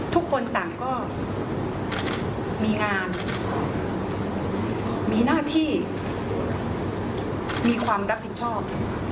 ทุกคนต่างก็มีงานมีหน้าที่มีความรับผิดชอบ